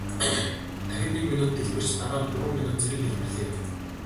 Дахин нэг мин дэлбэрч дараа нь гурван мин зэрэг дэлбэрлээ.